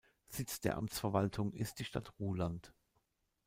Sitz der Amtsverwaltung ist die Stadt Ruhland.